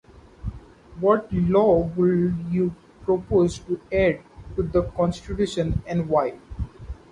What law would you propose to add to the Constitution and why?